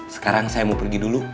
sekarang saya mau pergi dulu